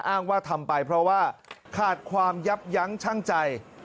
อ้างว่าทำไปเพราะว่าขาดความยับยั้งชั่งใจ